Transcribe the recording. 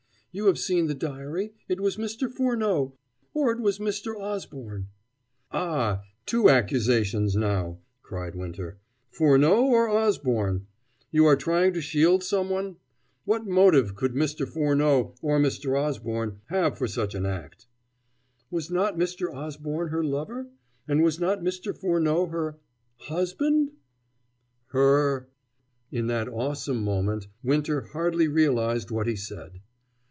You have seen the diary it was Mr. Furneaux, or it was Mr. Osborne." "Ah, two accusations now," cried Winter. "Furneaux or Osborne! You are trying to shield someone? What motive could Mr. Furneaux, or Mr. Osborne, have for such an act?" "Was not Mr. Osborne her lover? And was not Mr. Furneaux her husband?" "Her !" In that awesome moment Winter hardly realized what he said.